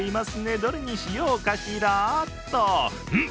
どれにしようかしらっとん？